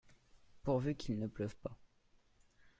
Pourvu qu'il ne pleuve pas !